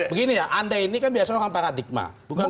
begini ya anda ini kan biasanya orang paradigma